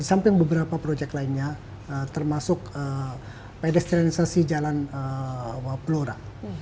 di samping beberapa projek lainnya termasuk pedestrianisasi jalan waplora